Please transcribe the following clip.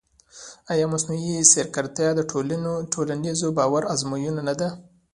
ایا مصنوعي ځیرکتیا د ټولنیز باور ازموینه نه ده؟